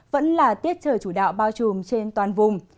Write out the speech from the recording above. vẫn là tiết trời chủ đạo bao trùm trên toàn vùng